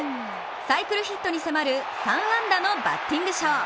サイクルヒットに迫る３安打のバッティングショー。